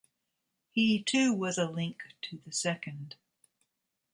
He too was a link to the second.